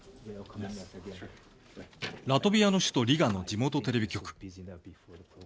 ラトビアの首都リガの地元テレビ局。